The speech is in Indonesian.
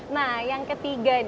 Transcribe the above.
nah yang ketiga